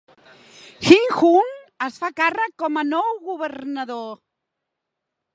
Hin-hung es fa càrrec com a nou governador.